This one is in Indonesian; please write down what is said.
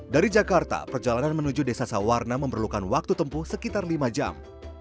dari jakarta perjalanan menuju desa sawarna memerlukan waktu tempuh sekitar lima jam